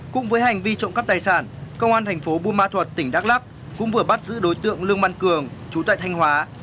cũng với hành vi trộm cắp tài sản công an thành phố bùa ma thuật tỉnh đắk lắc cũng vừa bắt giữ đối tượng lương văn cường chú tại thanh hóa